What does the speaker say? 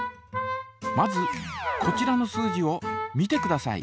まずこちらの数字を見てください。